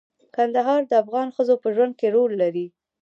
کندهار د افغان ښځو په ژوند کې رول لري.